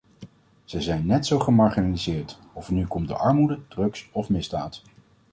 Zij zijn net zo gemarginaliseerd, of het nu komt door armoede, drugs of misdaad.